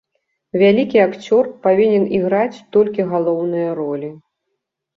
Вялікі акцёр павінен іграць толькі галоўныя ролі.